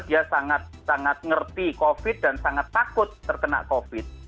dia sangat sangat ngerti covid dan sangat takut terkena covid